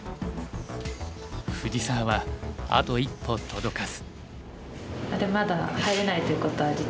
藤沢はあと一歩届かず。